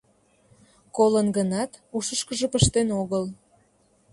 Колын гынат, ушышкыжо пыштен огыл.